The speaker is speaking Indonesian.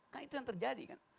kan itu yang terjadi kan